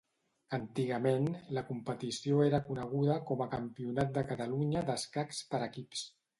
Antigament, la competició era coneguda com a Campionat de Catalunya d'Escacs per Equips.